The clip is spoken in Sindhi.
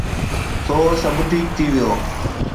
سو سڀ ٺيڪ ٿي ويو.